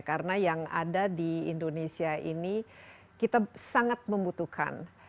karena yang ada di indonesia ini kita sangat membutuhkan